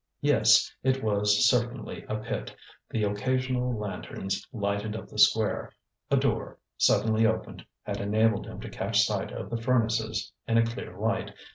Yes, it was certainly a pit; the occasional lanterns lighted up the square; a door, suddenly opened, had enabled him to catch sight of the furnaces in a clear light.